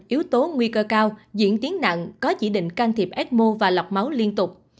yếu tố nguy cơ cao diễn tiến nặng có chỉ định can thiệp ecmo và lọc máu liên tục